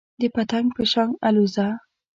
د پتنګ په شان الوځه .